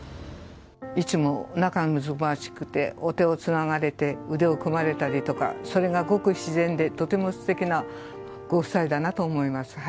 いつも仲むつまじくて、お手をつながれて、腕を組まれたりとか、それがごく自然で、とてもすてきなご夫妻だなと思います。